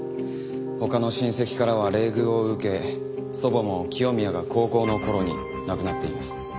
他の親戚からは冷遇を受け祖母も清宮が高校の頃に亡くなっています。